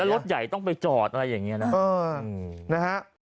แล้วรถใหญ่ต้องไปจอดอะไรอย่างเงี้ยนะเออนะฮะ